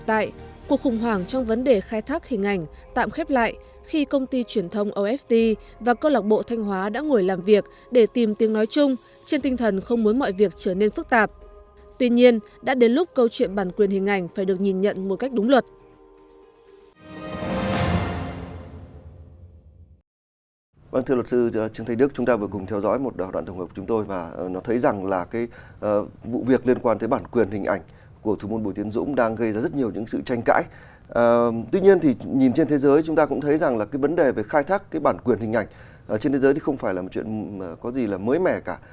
tuy nhiên nhìn trên thế giới chúng ta cũng thấy rằng vấn đề về khai thác bản quyền hình ảnh trên thế giới không phải là một chuyện mới mẻ cả